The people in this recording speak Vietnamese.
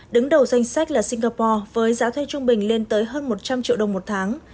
đứng đầu danh sách là singapore với giá thuê trung bình lên tới hơn một trăm linh triệu đồng một tháng